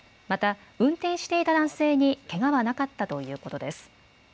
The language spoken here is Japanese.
また、運転していた男性にけがはなかったということです。